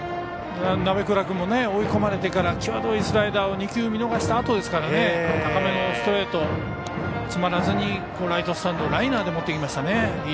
鍋倉君も追い込まれてから際どいスライダーを２球、見逃したあとですから高めのストレート、詰まらずにライトスタンド、ライナーで持っていきましたね。